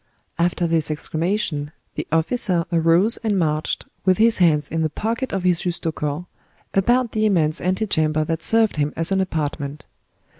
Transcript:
After this exclamation, the officer arose and marched, with his hands in the pockets of his justaucorps, about the immense ante chamber that served him as an apartment.